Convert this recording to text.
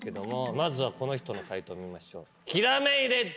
まずはこの人の解答見ましょう。